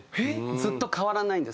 ずっと変わらないんです。